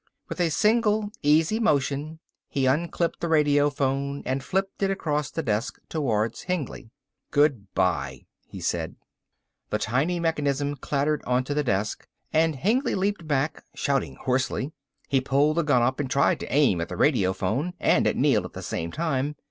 With a single, easy motion he unclipped the radiophone and flipped it across the desk towards Hengly. "Good by," he said. The tiny mechanism clattered onto the desk and Hengly leaped back, shouting hoarsely. He pulled the gun up and tried to aim at the radiophone and at Neel at the same time.